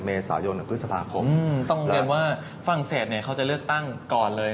เมษายนหรือพฤษภาคมต้องเรียนว่าฝรั่งเศสเนี่ยเขาจะเลือกตั้งก่อนเลย